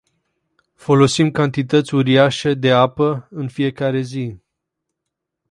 Folosim cantități uriașe de apă în fiecare zi.